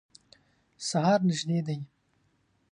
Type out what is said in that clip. سهار نیژدي دی